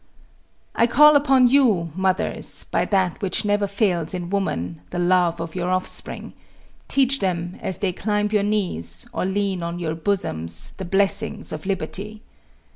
I call upon you, mothers, by that which never fails in woman, the love of your offspring; teach them, as they climb your knees, or lean on your bosoms, the blessings of liberty.